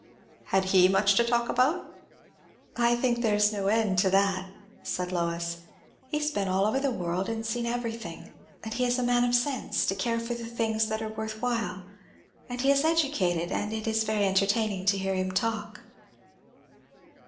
"Had he much to talk about?" "I think there is no end to that," said Lois. "He has been all over the world and seen everything; and he is a man of sense, to care for the things that are worth while; and he is educated; and it is very entertaining to hear him talk."